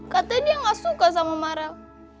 katanya dia nggak suka sama meryl